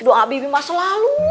doa bibi mah selalu